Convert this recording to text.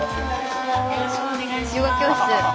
よろしくお願いします。